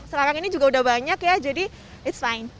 sekarang ini juga udah banyak ya jadi it's fine